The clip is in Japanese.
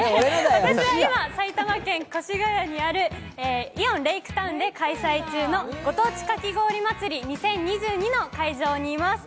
私は今、埼玉県越谷にあるイオンレイクタウンで開催中のご当地かき氷祭２０２２の会場にいます。